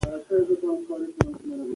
که تار وي نو کارډستي نه ځوړندیږي.